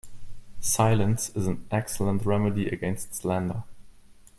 Silence is an excellent remedy against slander.